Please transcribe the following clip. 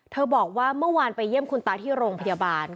บอกว่าเมื่อวานไปเยี่ยมคุณตาที่โรงพยาบาล